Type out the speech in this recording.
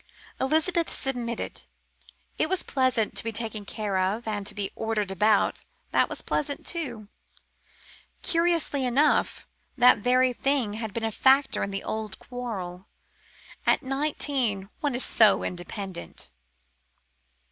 Elizabeth submitted. It was pleasant to be taken care of. And to be "ordered about," that was pleasant, too. Curiously enough, that very thing had been a factor in the old quarrel. At nineteen one is so independent.